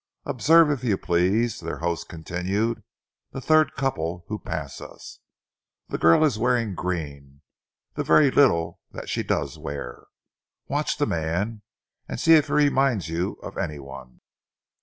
"Observe, if you please," their host continued, "the third couple who pass us. The girl is wearing green the very little that she does wear. Watch the man, and see if he reminds you of any one."